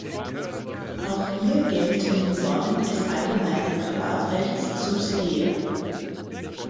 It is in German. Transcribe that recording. Auch hier gelten die Normen des allgemeinen Privatrechts subsidiär.